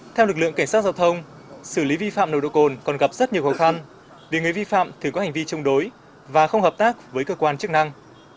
theo lực lượng cảnh sát giao thông xử lý vi phạm nồng độ cồn còn gặp rất nhiều khó khăn để người vi phạm thường có hành vi chống đối và không hợp tác với cơ quan chức năng